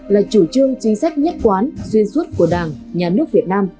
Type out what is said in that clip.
là chủ trương chính sách nhất quán xuyên suốt của đảng nhà nước việt nam